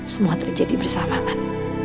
semua terjadi bersamaan